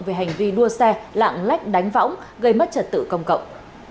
về hành vi đua xe lạng lách đánh võng gây mất trật tự công cộng